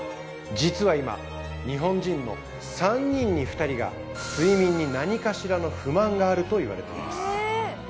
実は今日本人の３人に２人が睡眠に何かしらの不満があるといわれています